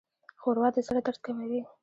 ښوروا د زړه درد کموي.